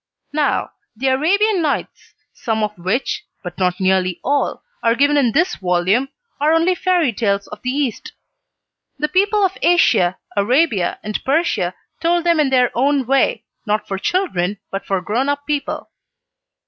Now "The Arabian Nights," some of which, but not nearly all, are given in this volume, are only fairy tales of the East. The people of Asia, Arabia, and Persia told them in their own way, not for children, but for grown up people.